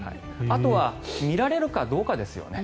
あとは見られるかどうかですよね。